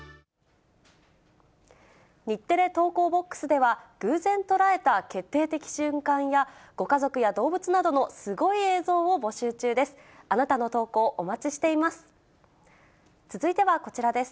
日テレ投稿ボックスでは、偶然捉えた決定的瞬間や、ご家族や動物などのすごい映像を募集中です。